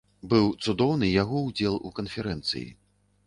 Быў цудоўны яго ўдзел у канферэнцыі.